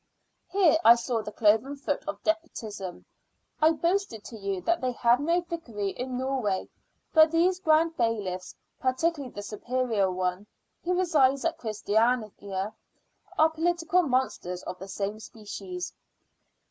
Here I saw the cloven foot of despotism. I boasted to you that they had no viceroy in Norway, but these Grand Bailiffs, particularly the superior one, who resides at Christiania, are political monsters of the same species.